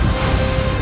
aku akan menang